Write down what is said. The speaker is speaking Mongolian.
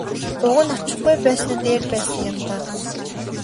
Уг нь очихгүй байсан нь дээр байсан юм даа.